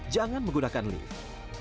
jangan menggunakan lift